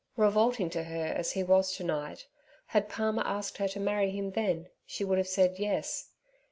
Revolting to her as he was tonight, had Palmer asked her to marry him then, she would have said 'Yes.'